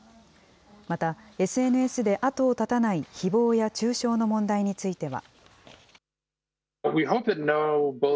また、ＳＮＳで後を絶たないひぼうや中傷の問題については。